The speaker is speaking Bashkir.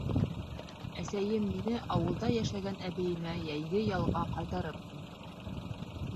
Әсәйем мине ауылда йәшәгән әбейемә йәйге ялға ҡайтарып ҡуйҙы.